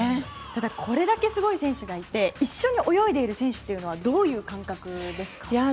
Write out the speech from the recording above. ただこれだけすごい選手がいて一緒に泳いでいる選手はどういう感覚ですか？